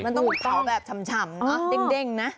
มันต้องเผาแบบฉ่ำเนอะเด้งนะ